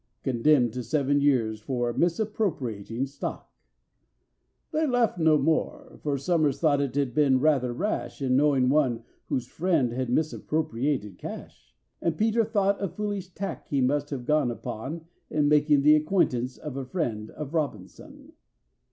Condemned to seven years for misappropriating stock!!! They laughed no more, for SOMERS thought he had been rather rash In knowing one whose friend had misappropriated cash; And PETER thought a foolish tack he must have gone upon In making the acquaintance of a friend of ROBINSON.